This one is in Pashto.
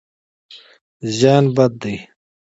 زیان بد دی.